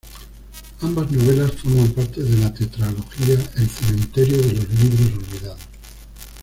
Ambas novelas forman parte de la tetralogía "El cementerio de los libros olvidados".